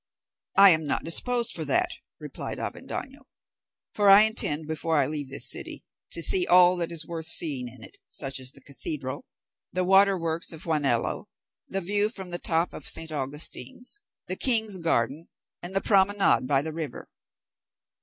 "I am not disposed for that," replied Avendaño, "for I intend, before I leave this city, to see all that is worth seeing in it, such as the cathedral, the waterworks of Juanelo, the view from the top of St. Augustine's, the King's garden, and the promenade by the river."